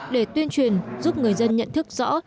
để tuyên truyền giúp người dân nhận thức rõ